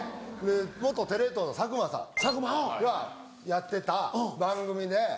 元テレ東の佐久間さんがやってた番組で。